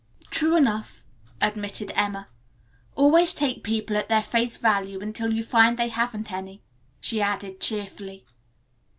"True enough," admitted Emma. "Always take people at their face value until you find they haven't any," she added cheerfully.